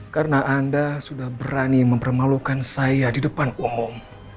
karena anda sudah berani mempermalukan saya di depan umum